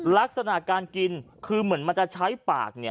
ลักษณะการกินคือเหมือนมันจะใช้ปากเนี่ย